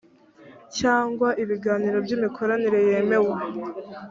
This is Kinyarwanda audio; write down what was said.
cyangwa ibiganiro by’imikoranire yemewe